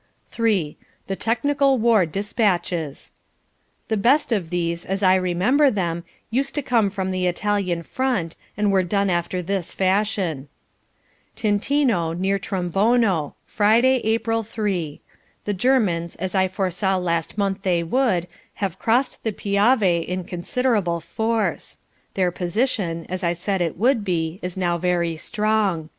III THE TECHNICAL WAR DESPATCHES The best of these, as I remember them, used to come from the Italian front and were done after this fashion: "Tintino, near Trombono. Friday, April 3. The Germans, as I foresaw last month they would, have crossed the Piave in considerable force. Their position, as I said it would be, is now very strong.